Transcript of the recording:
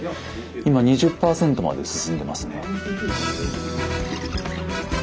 今２０％まで進んでますね。